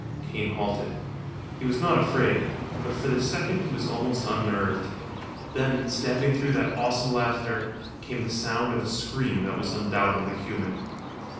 Kane halted. He was not afraid, but for the second he was almost unnerved. Then, stabbing through that awesome laughter, came the sound of a scream that was undoubtedly human.